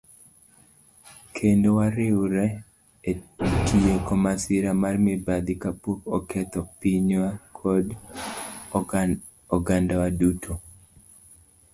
kendo wariwre e tieko masira mar mibadhi ka pok oketho pinywa kod ogandawa duto.